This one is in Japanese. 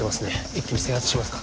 一気に制圧しますか。